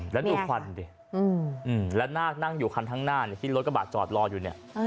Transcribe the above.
แล้วดูควันดิแล้วนาคนั่งอยู่คันข้างหน้าที่รถกระบาดจอดรออยู่เนี่ย